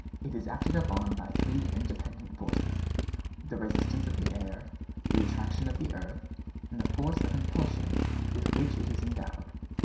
It is acted upon by three independent forces: the resistance of the air, the attraction of the earth, and the force of impulsion with which it is endowed.